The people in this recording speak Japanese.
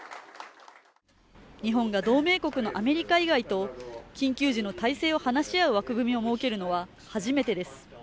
日本が同盟国のアメリカ以外と緊急時の体制を話し合う枠組みを設けるのは初めてです。